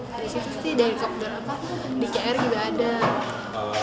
di situ sih dari kopdar apa di kr juga ada